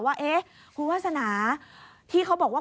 ว่าเอ๊ะคุณวาสนาที่เขาบอกว่า